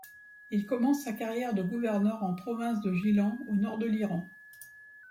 Il commence sa carrière de gouverneur en province de Gilan au nord de l'Iran.